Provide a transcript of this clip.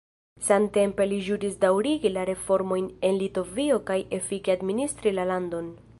Samtempe li ĵuris daŭrigi la reformojn en Litovio kaj efike administri la landon.